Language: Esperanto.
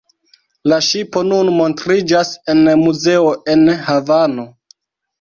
La ŝipo nun montriĝas en muzeo en Havano.